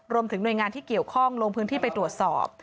รวมถึงหน่วยงานที่เกี่ยวข้องลงพื้นที่ไปตรวจสอบ